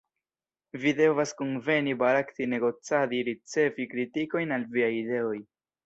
Vi devas kunveni, barakti, negocadi, ricevi kritikojn al viaj ideoj.